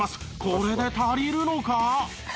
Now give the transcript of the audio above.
これで足りるのか？